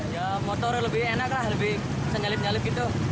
ya motor lebih enak lah lebih bisa nyalip nyalip gitu